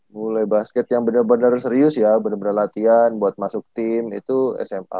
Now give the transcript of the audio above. mulai basket yang bener bener serius ya bener bener latihan buat masuk tim itu sma